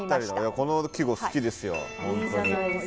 この季語好きですよ